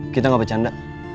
kita gak bercanda